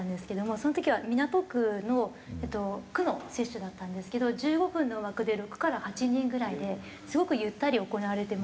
その時は港区の区の接種だったんですけど１５分の枠で６から８人ぐらいですごくゆったり行われてまして。